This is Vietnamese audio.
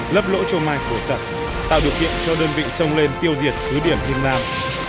lấp lỗ châu mai khổ sập tạo điều kiện cho đơn vị sông lên tiêu diệt cứ điểm him lam